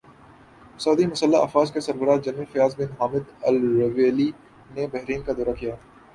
سعودی مسلح افواج کے سربراہ general Fayyad bin Hamid Al Ruwaili نے بحرین کا دورہ کیا